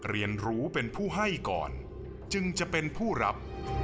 เรียนรู้เป็นผู้ให้ก่อนจึงจะเป็นผู้รับ